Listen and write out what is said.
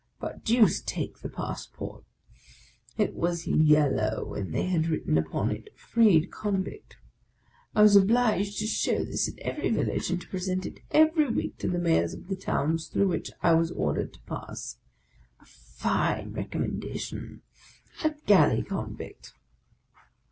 But deuce take the passport ! It was yellow, and they had written upon it ' Freed convict.' I was obliged to show this at every village, and to present it every week to the mayors of the towns through which I was ordered to pass. A fine rec ommendation! a galley convict!